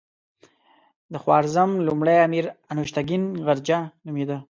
د خوارزم لومړی امیر انوشتګین غرجه نومېده.